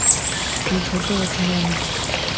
تون ڇو تو وٺڻ وڃين؟